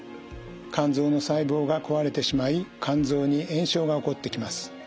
肝臓の細胞が壊れてしまい肝臓に炎症が起こってきます。